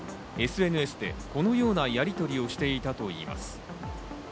ＳＮＳでこのようなやりとりをしていたといいます。